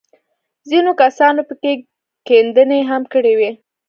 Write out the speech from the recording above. ځينو کسانو پکښې کيندنې هم کړې وې.